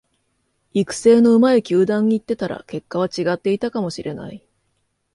育成の上手い球団に行ってたら結果は違っていたかもしれない